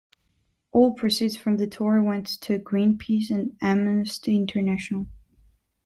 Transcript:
All proceeds from the tour went to Greenpeace and Amnesty International.